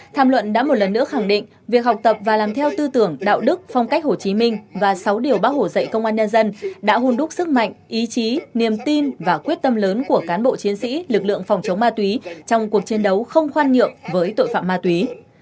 tham luận đã một lần nữa khẳng định việc học tập và làm theo tư tưởng đạo đức phong cách hồ chí minh và sáu điều bác hổ dạy công an nhân dân đã hôn đúc sức mạnh ý chí niềm tin và quyết tâm lớn của cán bộ chiến sĩ lực lượng phòng chống ma túy trong cuộc chiến đấu không khoan nhượng với tội phạm ma túy